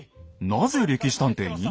なぜ「歴史探偵」に？